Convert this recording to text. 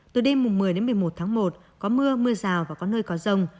từ đêm một mươi một mươi một một có mưa mưa rào và có nơi có rồng